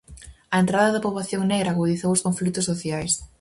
A entrada da poboación negra agudizou os conflitos sociais.